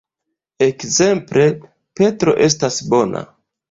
Ekzemple: Petro estas bona.